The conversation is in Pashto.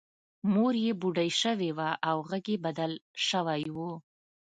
مور یې بوډۍ شوې وه او غږ یې بدل شوی و